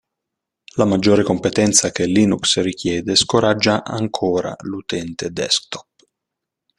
La maggiore competenza che Linux richiede scoraggia ancora l'utente desktop.